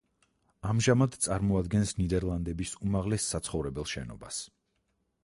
ამჟამად წარმოადგენს ნიდერლანდების უმაღლეს საცხოვრებელ შენობას.